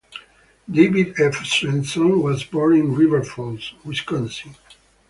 David F. Swenson was born in River Falls, Wisconsin.